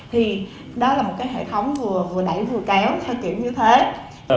thì đó là một cái hệ thống vừa đẩy vừa kéo theo kiểu như thế